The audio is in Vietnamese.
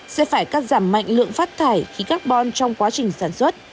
sẽ phải cắt giảm mạnh lượng phát thải khí carbon trong quá trình sản xuất